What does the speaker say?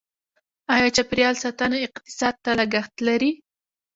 آیا چاپیریال ساتنه اقتصاد ته لګښت لري؟